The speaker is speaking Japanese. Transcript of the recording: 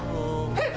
えっ！